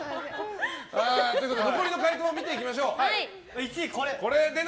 残りの回答も見ていきましょう。